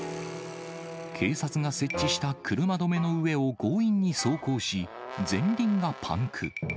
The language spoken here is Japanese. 警察が設置した車止めの上を強引に走行し、前輪がパンク。